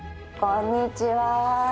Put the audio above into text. こんにちは。